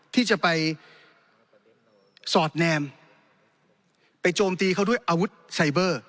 ที่จะไปสอดแนมไปโจมตีเขาด้วยอาวุธไซเบอร์